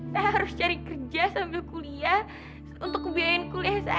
saya harus cari kerja sambil kuliah untuk ngebiayain kuliah saya